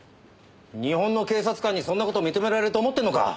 日本の警察官にそんな事認められると思ってるのか。